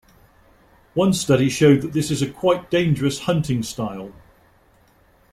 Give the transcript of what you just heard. One study showed that this is a quite dangerous hunting style.